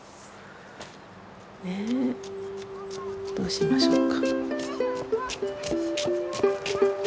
ねえどうしましょうか。